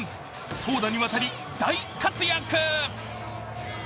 投打にわたり大活躍。